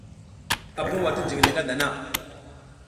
A bawa ti jiƞ le ngadana.